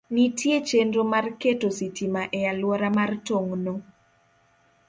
Nitie chenro mar keto sitima e alwora mar tong'no.